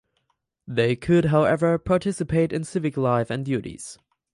They could however participate in civic life and duties.